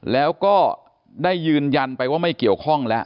แล้วก็ได้ยืนยันไปว่าไม่เกี่ยวข้องแล้ว